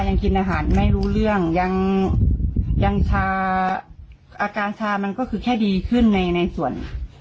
ยังกินอาหารไม่รู้เรื่องยังยังชาอาการชามันก็คือแค่ดีขึ้นในในส่วน